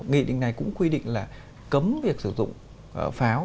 nghị định này cũng quy định là cấm việc sử dụng pháo